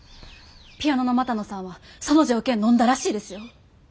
ピアノの股野さんはその条件のんだらしいですよ。